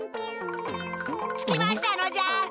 着きましたのじゃ。